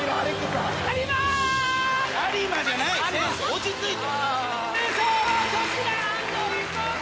落ち着いて。